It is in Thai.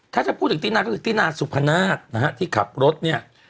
ถ้าจะพูดถึงตินาก็คือตินาสุพนาศนะฮะที่ขับรถเนี่ย